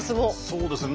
そうですね。